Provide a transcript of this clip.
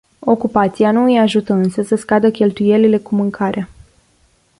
Ocupația nu îi ajută însă să scadă cheltuielile cu mâncarea.